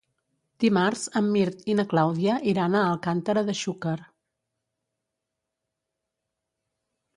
Dimarts en Mirt i na Clàudia iran a Alcàntera de Xúquer.